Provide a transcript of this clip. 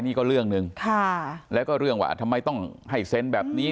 นี่ก็เรื่องหนึ่งค่ะแล้วก็เรื่องว่าทำไมต้องให้เซ็นแบบนี้